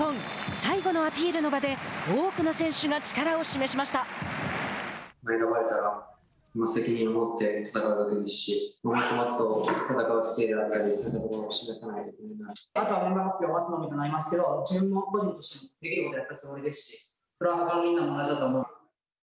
最後のアピールの場で多くの選手が力を示しました。